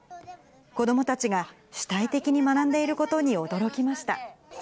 子どもたちが主体的に学んでいることに驚きました。